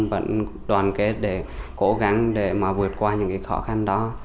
vẫn đoàn kết để cố gắng để mà vượt qua những cái khó khăn đó